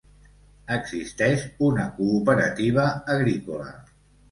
Existeix una cooperativa agrícola.